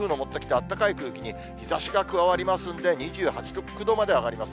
あったかい空気に日ざしが加わりますんで、２８度、９度まで上がります。